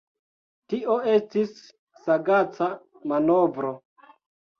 Tio estis sagaca manovro.